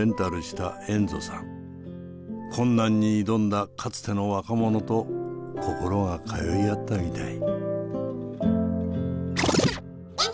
困難に挑んだかつての若者と心が通い合ったみたい。